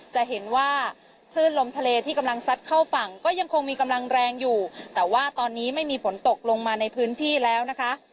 จะเห็นว่าคลื่นลมทะเลที่กำลังซัดเข้าฝั่งก็ยังคงมีกำลังแรงอยู่แต่ว่าตอนนี้ไม่มีฝนตกลงมาในพื้นที่แล้วนะคะ